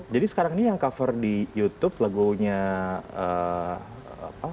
jadi sekarang ini yang cover di youtube lagunya apa